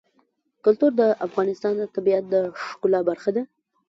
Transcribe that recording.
کلتور د افغانستان د طبیعت د ښکلا برخه ده.